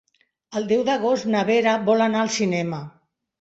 El deu d'agost na Vera vol anar al cinema.